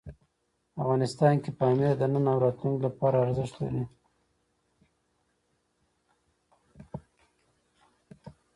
افغانستان کې پامیر د نن او راتلونکي لپاره ارزښت لري.